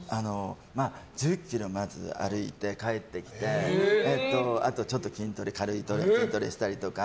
１０ｋｍ歩いて帰ってきてあとちょっと軽い筋トレしたりとか。